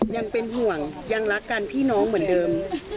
ยังเป็นห่วงยังรักกันพี่น้องเหมือนเดิม